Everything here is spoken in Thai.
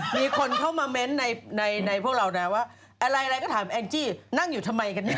มีคนเข้ามาเม้นต์ในพวกเรานะว่าอะไรก็ถามแองจี้นั่งอยู่ทำไมกันเนี่ย